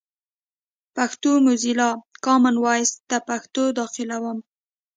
پښتو موزیلا، کامن وایس ته پښتو داخلوم.